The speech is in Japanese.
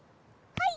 はい！